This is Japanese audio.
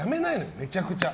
めちゃくちゃ。